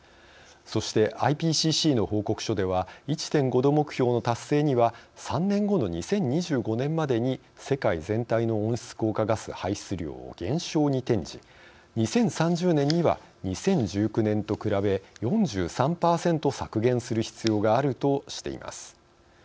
そしてＩＰＣＣの報告書では１．５℃目標の達成には３年後の２０２５年までに世界全体の温室効果ガス排出量を減少に転じ２０３０年には２０１９年と比べ４３％削減する必要があるとしています。